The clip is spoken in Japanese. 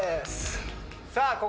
さあ